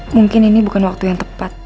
mungkin ini bukan waktu yang tepat